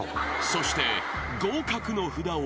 ［そして］